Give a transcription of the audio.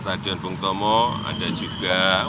stadion bung tomo ada juga